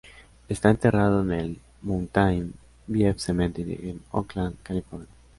Está enterrado en el Mountain View Cemetery en Oakland, California.